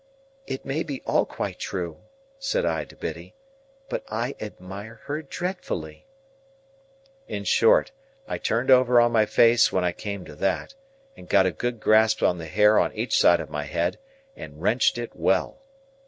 "It may be all quite true," said I to Biddy, "but I admire her dreadfully." In short, I turned over on my face when I came to that, and got a good grasp on the hair on each side of my head, and wrenched it well.